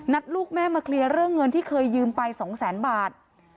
ลูกแม่มาเคลียร์เรื่องเงินที่เคยยืมไป๒แสนบาท